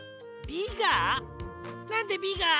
なんで「ビガ」？